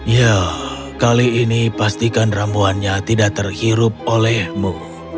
ya kali ini pastikan ramuannya tidak terhirup olehmu